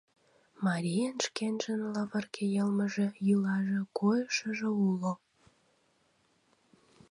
Марийын шкенжын лывырге йылмыже, йӱлаже, койышыжо уло.